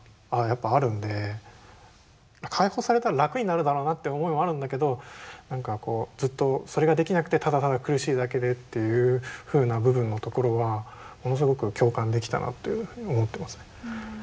解放されたら楽になるだろうなっていう思いもあるんだけど何かこうずっとそれができなくてただただ苦しいだけでっていうふうな部分のところはものすごく共感できたなというふうに思ってますね。